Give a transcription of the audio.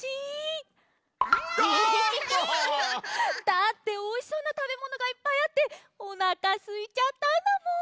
だっておいしそうなたべものがいっぱいあっておなかすいちゃったんだもん。